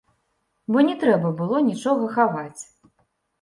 Бо не трэба было нічога хаваць!